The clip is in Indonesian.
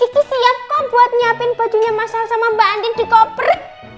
itu siap kok buat nyiapin bajunya masal sama mbak andin di koper